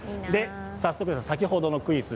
早速ですが先ほどのクイズ。